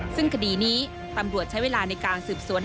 ซึ่งคดีนี้ตำรวจใช้เวลาในการสืบสวน